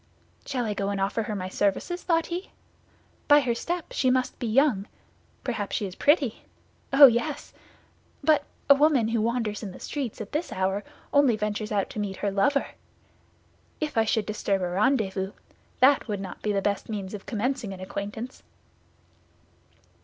"Shall I go and offer her my services?" thought he. "By her step she must be young; perhaps she is pretty. Oh, yes! But a woman who wanders in the streets at this hour only ventures out to meet her lover. If I should disturb a rendezvous, that would not be the best means of commencing an acquaintance."